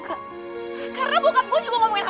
karena bokap gue juga ngomongin hal hal yang benar benar benar